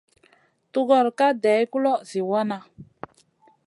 Tugor ka day guloʼo zi wana.